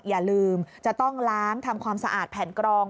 อย่าลืมจะต้องล้างทำความสะอาดแผ่นกรอง